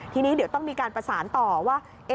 ทีนี้เดี๋ยวต้องมีการประสานต่อว่า